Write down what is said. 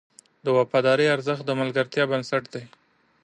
د وفادارۍ ارزښت د ملګرتیا بنسټ دی.